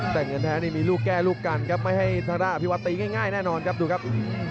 แต่เงินแท้นี่มีลูกแก้ลูกกันครับไม่ให้ทราอภิวัฒน์ตีง่ายแน่นอนครับ